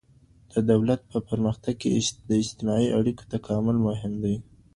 د دولت په پرمختګ کي د اجتماعي اړیکو تکامل مهم دی.